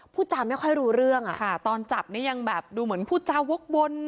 พูดจาไม่ค่อยรู้เรื่องอะค่ะตอนจับนี่ยังแบบดูเหมือนพูดจาวกวน